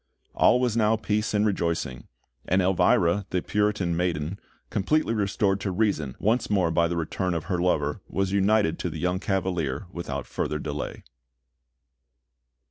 All was now peace and rejoicing; and Elvira, the Puritan maiden, completely restored to reason once more by the return of her lover, was united to the young Cavalier without further delay.